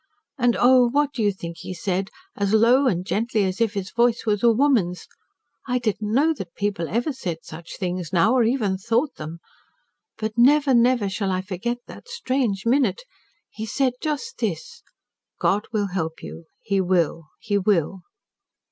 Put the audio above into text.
And, oh! what do you think he said, as low and gently as if his voice was a woman's. I did not know that people ever said such things now, or even thought them. But never, never shall I forget that strange minute. He said just this: "'God will help you. He will. He will.'